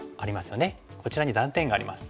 こちらに断点があります。